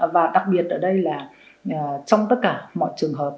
và đặc biệt ở đây là trong tất cả mọi trường hợp